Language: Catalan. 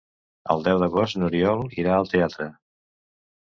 El deu d'agost n'Oriol irà al teatre.